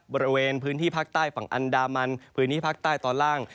บริเวณพื้นที่ภาคใต้ฝั่งอันดามันพื้นที่ภาคใต้ตอนล่าง